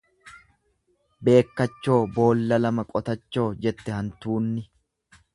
Beekkachoo boolla lama qotachoo jette hantuunni.